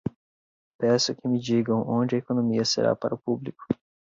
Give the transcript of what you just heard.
Peço que me digam onde a economia será para o público.